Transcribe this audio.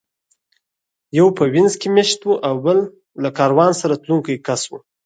یو په وینز کې مېشت و او بل له کاروان سره تلونکی کس و